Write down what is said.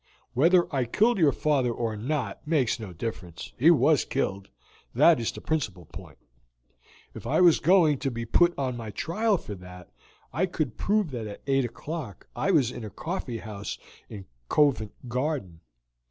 Whether I killed your father or not makes no difference; he was killed, that is the principal point; if I was going to be put on my trial for that I could prove that at eight o'clock I was in a coffee house in Covent Garden.